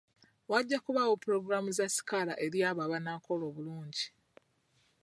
Wajja kubaawo pulogulaamu za sikaala eri abo abanaakola obulungi.